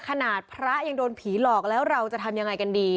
ขนาดพระยังโดนผีหลอกแล้วเราจะทำยังไงกันดี